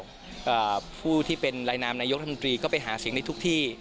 อ่าผู้ที่เป็นลายนามนายกรัฐมนตรีก็ไปหาเสียงในทุกที่